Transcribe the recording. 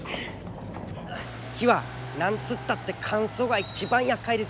木は何つったって乾燥が一番やっかいですよ。